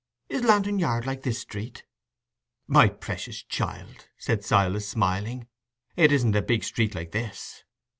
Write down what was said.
Is Lantern Yard like this street?" "My precious child," said Silas, smiling, "it isn't a big street like this.